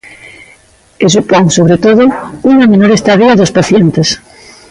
E supón, sobre todo, unha menor estadía dos pacientes.